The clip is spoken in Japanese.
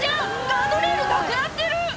ガードレールなくなってる！